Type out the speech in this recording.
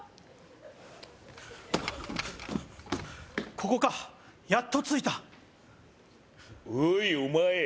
ここかやっと着いたおいお前